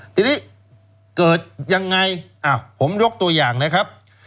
ทีนี้เกิดยังไงผมยกตัวอย่างนะครับ